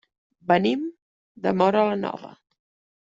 Venim de Móra la Nova.